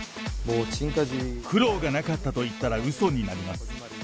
苦労がなかったと言ったらうそになります。